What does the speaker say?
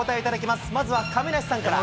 まずは亀梨さんから。